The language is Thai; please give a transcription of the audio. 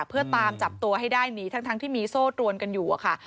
เพื่อตามจับตัวให้ได้หนีทั้งที่มีโซ่ตรวนกันอยู่อะค่ะ